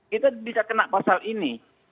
kita bisa kena pasal ini